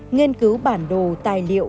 nghiên cứu bản đồ tài liệu